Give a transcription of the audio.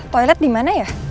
toilet dimana ya